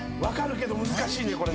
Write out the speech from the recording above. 分かるけど難しいね